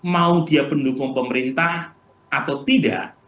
mau dia pendukung pemerintah atau tidak